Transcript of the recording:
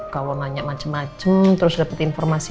kalau nanya macam macam terus dapat informasi